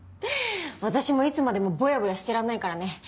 私もいつまでもぼやぼやしてらんないからね。